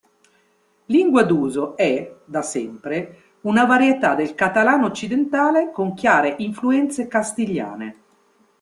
Lingua d'uso, è, da sempre, una varietà del catalano occidentale con chiare influenze castigliane.